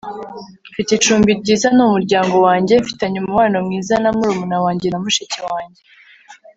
mfite icumbi ryiza, ni umuryango wanjye. mfitanye umubano mwiza na murumuna wanjye na mushiki wanjye